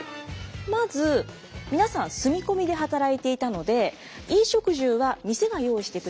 まず皆さん住み込みで働いていたので衣食住は店が用意してくれていました。